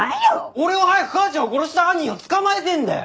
俺は早く母ちゃんを殺した犯人を捕まえてえんだよ！